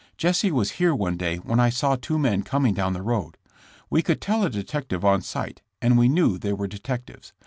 Jesse was here one day when I saw two men coming down the road. We could tell a detective on sight, and we knew they were detectives.